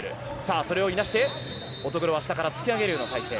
それをいなして乙黒は下から打ち上げるような体勢。